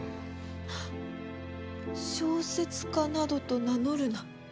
「小説家などと名乗るな」